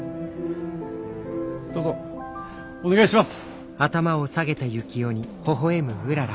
どうぞお願いします！